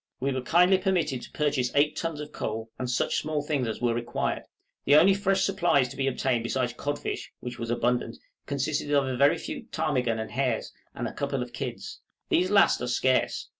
We were kindly permitted to purchase eight tons of coals, and such small things as were required; the only fresh supplies to be obtained besides codfish, which was abundant, consisted of a very few ptarmigan and hares, and a couple of kids; these last are scarce.